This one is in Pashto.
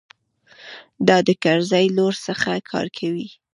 دا د کرزي لور څه کار کوي.